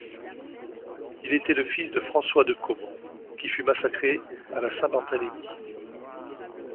Il était fils de François de Caumont, qui fut massacré à la Saint-Barthélémy.